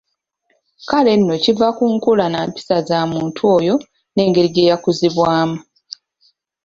Kale nno kiva ku nkula nampisa za muntu oyo n'engeri gye yakuzibwamu.